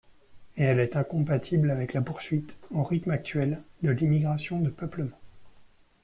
Et elle est incompatible avec la poursuite, au rythme actuel, de l'immigration de peuplement.